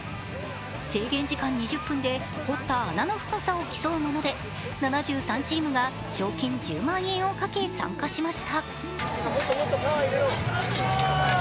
制限時間２０分で掘った穴の深さを競うもので７３チームが、賞金１０万円をかけ参加しました。